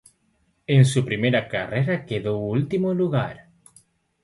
En su primera carrera quedó en último lugar.